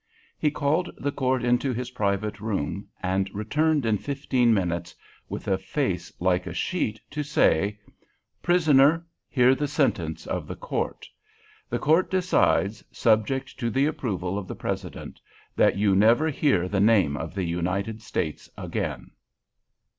He called the court into his private room, and returned in fifteen minutes, with a face like a sheet, to say, "Prisoner, hear the sentence of the Court! The Court decides, subject to the approval of the President, that you never hear the name of the United States again."